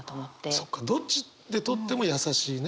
そっかどっちで取っても優しいねこれは。